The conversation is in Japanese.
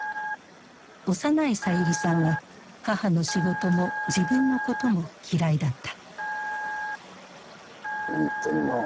幼いさゆりさんは母の仕事も自分のことも嫌いだった。